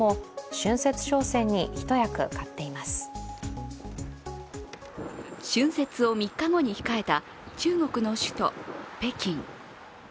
春節を３日後に控えた中国の首都北京。